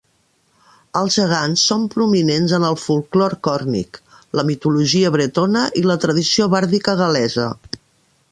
Els gegants són prominents en el folklore còrnic, la mitologia bretona i la tradició bàrdica gal·lesa.